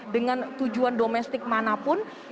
dengan tujuan domestik manapun